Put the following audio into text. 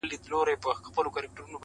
په ښکارپورۍ سترگو کي، راته گلاب راکه.